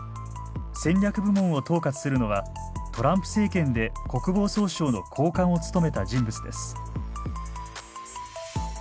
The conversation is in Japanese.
戦略部門を統括するのはトランプ政権で国防総省の高官を務めた人物です。